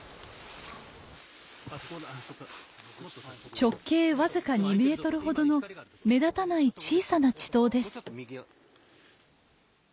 直径僅か２メートルほどの目立たない小さな池溏です。